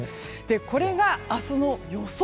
これが明日の予想